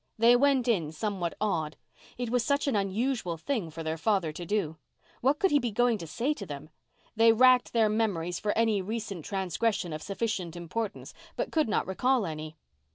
They went in, somewhat awed. It was such an unusual thing for their father to do. What could he be going to say to them? They racked their memories for any recent transgression of sufficient importance, but could not recall any.